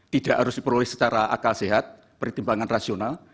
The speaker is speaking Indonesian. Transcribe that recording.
tidak harus diperoleh secara akal sehat pertimbangan rasional